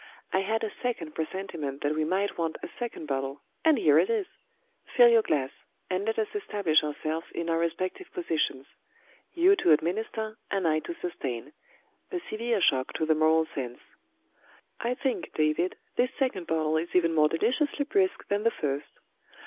"I had a second presentiment that we might want a second bottle and here it is! Fill your glass; and let us establish ourselves in our respective positions you to administer, and I to sustain, a severe shock to the moral sense. I think, David, this second bottle is even more deliciously brisk than the first.